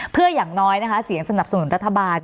เพื่ออย่างน้อยนะคะเสียงสนับสนุนรัฐบาล